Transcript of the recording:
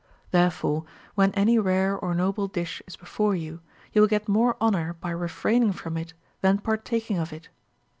Therefore when any rare or noble dish is before you, you Avill get more honor by refraining from it than partaking of it.